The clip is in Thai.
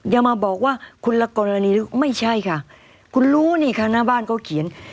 อย่ามาบอกว่าคุณละกรณีไม่ใช่ค่ะคุณรู้นี่ค่ะหน้าบ้านเขาเขียน